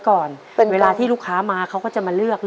พร้อมไหมครับ